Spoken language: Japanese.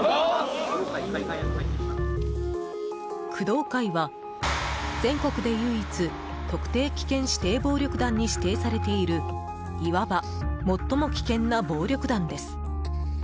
工藤会は全国で唯一特定危険指定暴力団に指定されているいわば最も危険な暴力団です。